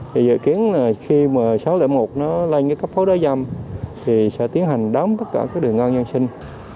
thì dự kiến là khi mà sáu trăm linh một nó lên cái cấp phối đó dầm thì sẽ tiến hành đóng tất cả các đường ngang giao sinh